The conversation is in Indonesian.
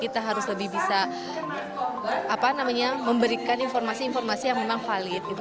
kita harus lebih bisa memberikan informasi informasi yang memang valid